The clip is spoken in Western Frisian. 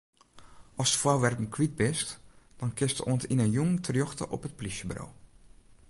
Ast foarwerpen kwyt bist, dan kinst oant yn 'e jûn terjochte op it plysjeburo.